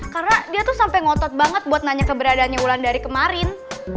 karena dia tuh sampe ngotot banget buat nanya keberadaannya wulan dari kemarin